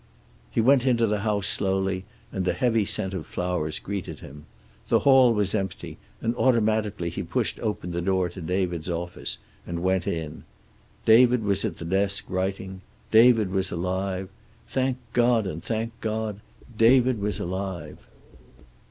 He went into the house slowly, and the heavy scent of flowers greeted him. The hall was empty, and automatically he pushed open the door to David's office and went in. David was at the desk writing. David was alive. Thank God and thank God, David was alive.